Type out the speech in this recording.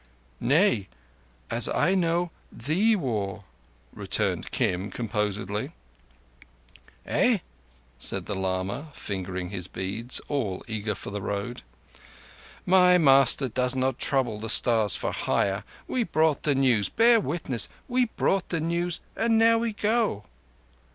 "Nay, as I know, the war," returned Kim composedly. "Eh?" said the lama, fingering his beads, all eager for the road. "My master does not trouble the Stars for hire. We brought the news bear witness, we brought the news, and now we go."